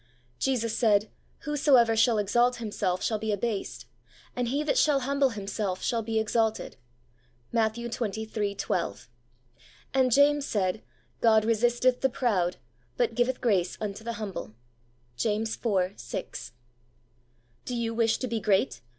Jesus said, 'Whosoever shall exalt him self shall he abased, and he that shall humble himself shall be exalted' (Matt, xxiii. 12); and James said, 'God resisteth the proud, but giveth grace unto the humble ' (James iv. 6). ' Do you wish to be great